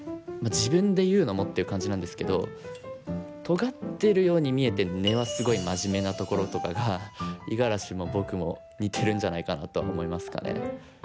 自分で言うのもっていう感じなんですけどとがってるように見えて根はすごいマジメなところとかが五十嵐も僕も似てるんじゃないかなとは思いますかね。